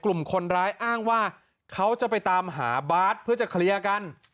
กลุ่มคนร้ายอ้างว่าเขาจะไปตามหาบาสเพื่อจะเคลียร์กัน